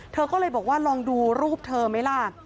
เธอก็เลยบอกว่าลองดูรูปเธอไหมล่ะ